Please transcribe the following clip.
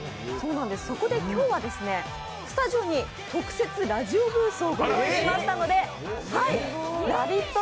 そこで今日はスタジオに特設ラジオブースをご用意しましたので、ラヴィット！